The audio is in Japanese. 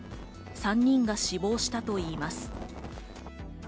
３人が死亡したといいます。